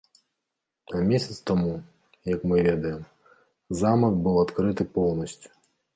А месяц таму, як мы ведаем, замак быў адкрыты поўнасцю.